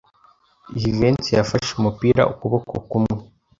Jivency yafashe umupira ukuboko kumwe.